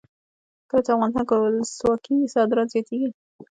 کله چې افغانستان کې ولسواکي وي صادرات زیاتیږي.